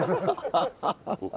ハハハハ。